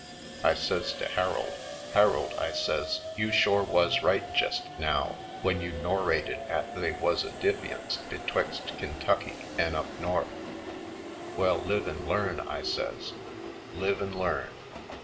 I says to Harold: "Harold," I says, "you shore wuz right I 34 /. Poindexter, Colored jest now w'en you norrated 'at they wuz a diff'ience betwixt Kintucky an' up North. Well, live an' learn," I says, "live an' learn.